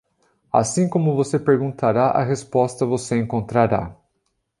Assim como você perguntará, a resposta você encontrará.